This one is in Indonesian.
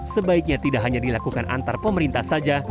sebaiknya tidak hanya dilakukan antar pemerintah saja